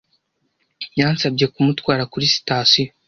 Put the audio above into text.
Yansabye kumutwara kuri sitasiyo.